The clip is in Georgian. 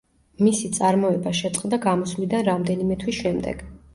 მისი წარმოება შეწყდა გამოსვლიდან რამდენიმე თვის შემდეგ.